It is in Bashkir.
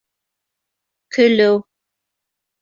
Көлөү!